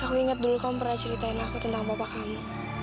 aku inget dulu kamu pernah ceritain aku tentang bapak kamu